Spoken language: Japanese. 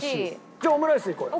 じゃあオムライスいこうよ。